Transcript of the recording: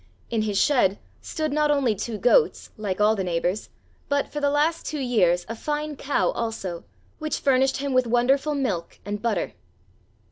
In his shed stood not only two goats, like all the neighbors, but for the last two years a fine cow also, which furnished him with wonderful milk and butter.